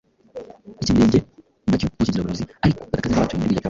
icyi Mirenge nacyo ngo kigira abarozi ariko badakaze nkabatuye muri biriya byabanje.